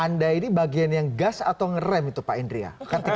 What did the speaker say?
anda ini bagian yang gas atau ngerem itu pak indria